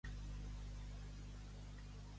El pagès, naps ha de napejar.